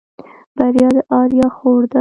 بريا د آريا خور ده.